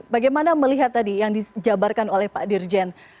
bagaimana melihat tadi yang dijabarkan oleh pak dirjen